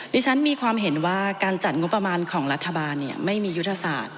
ดิฉันมีความเห็นว่าการจัดงบประมาณของรัฐบาลไม่มียุทธศาสตร์